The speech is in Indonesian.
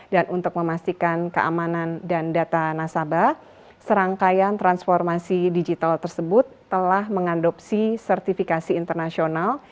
untuk memastikan keamanan dan data nasabah serangkaian transformasi digital tersebut telah mengadopsi sertifikasi internasional